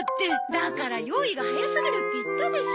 だから用意が早すぎるって言ったでしょ。